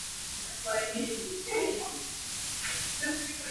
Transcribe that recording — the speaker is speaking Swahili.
Kesho itakua siku njema